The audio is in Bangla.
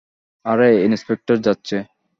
আরে, ইন্সপেক্টর যাচ্ছে।